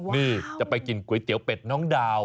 นี่จะไปกินก๋วยเตี๋ยวเป็ดน้องดาว